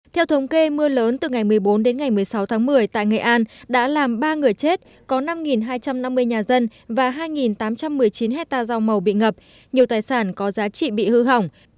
theo thống kê mưa lớn từ ngày một mươi bốn đến ngày một mươi sáu tháng một mươi tại nghệ an đã làm ba người chết có năm hai trăm năm mươi nhà dân và hai tám trăm một mươi chín hectare rau màu bị ngập nhiều tài sản có giá trị bị hư hỏng